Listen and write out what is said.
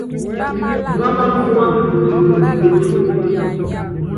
Imámaná kuanda kutek nopúóli epue.